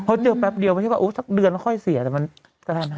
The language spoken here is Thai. พอเจอแป๊บเดียวมันเชื่อว่าอุ๊ยสักเดือนมันค่อยเสียแต่มันกระทั่งครับ